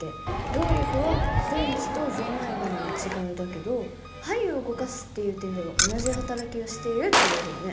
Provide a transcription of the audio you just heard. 動力は電池とぜんまいバネの違いだけど針を動かすっていう点では同じ働きをしているっていえるよね。